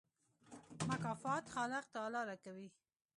مکافات خالق تعالی راکوي.